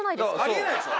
あり得ないでしょ？